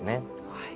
はい。